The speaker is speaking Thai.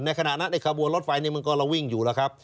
ในขณะนั้นในกระบวนรถไฟนี่มันกำลังวิ่งอยู่แล้วครับ